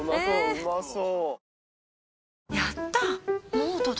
うまそう！